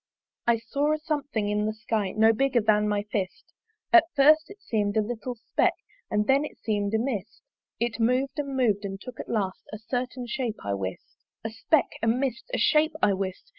I saw a something in the Sky No bigger than my fist; At first it seem'd a little speck And then it seem'd a mist: It mov'd and mov'd, and took at last A certain shape, I wist. A speck, a mist, a shape, I wist!